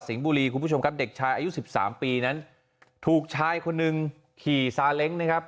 บุรีคุณผู้ชมครับเด็กชายอายุสิบสามปีนั้นถูกชายคนหนึ่งขี่ซาเล้งนะครับ